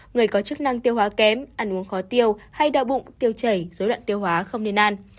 người có chức năng tiêu hóa kém ăn uống khó tiêu hay đau bụng tiêu chảy dối loạn tiêu hóa không nên ăn